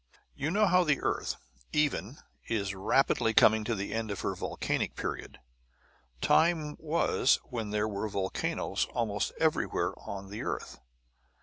You know how the earth, even, is rapidly coming to the end of her Volcanic period. Time was when there were volcanoes almost everywhere on the earth.